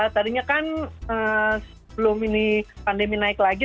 tadinya kan sebelum ini pandemi naik lagi